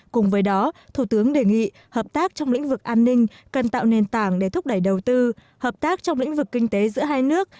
cùng với đó thủ tướng đề nghị hợp tác trong lĩnh vực an ninh cần tạo nền tảng để thúc đẩy đầu tư hợp tác trong lĩnh vực kinh tế giữa hai nước